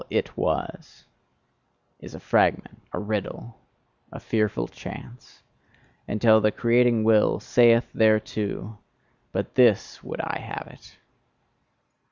All "It was" is a fragment, a riddle, a fearful chance until the creating Will saith thereto: "But thus would I have it."